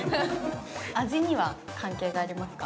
◆味には関係がありますか。